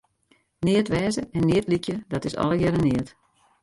Neat wêze en neat lykje, dat is allegearre neat.